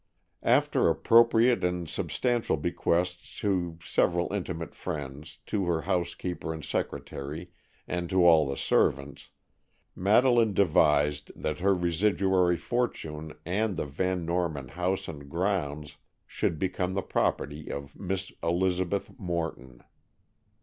After appropriate and substantial bequests to several intimate friends, to her housekeeper and secretary, and to all the servants, Madeleine devised that her residuary fortune and the Van Norman house and grounds should become the property of Miss Elizabeth Morton.